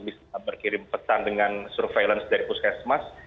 bisa berkirim pesan dengan surveillance dari puskesmas